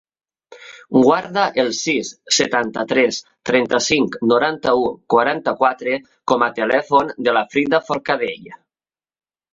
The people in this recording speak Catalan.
Guarda el sis, setanta-tres, trenta-cinc, noranta-u, quaranta-quatre com a telèfon de la Frida Forcadell.